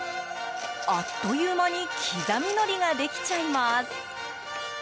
あっという間に刻みのりができちゃいます。